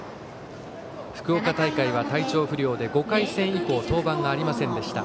福岡大会は体調不良で５回戦以降登板がありませんでした。